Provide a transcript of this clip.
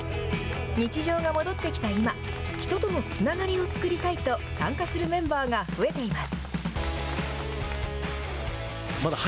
日常が戻ってきた今、人とのつながりを作りたいと参加するメンバーが増えています。